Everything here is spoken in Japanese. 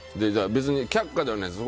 別に却下ではないです。